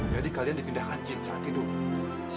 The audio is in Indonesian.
jadi kalian dipindahkan jin saat tidur